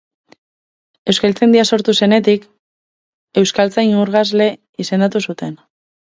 Euskaltzaindia sortu zenetik euskaltzain urgazle izendatu zuten.